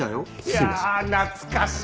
いやあ懐かしいね！